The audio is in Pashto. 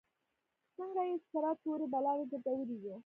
څنګه یې سره تورې بلاوې ګرځولي یو.